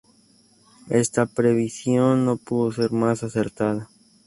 Esta previsión no pudo ser más acertada.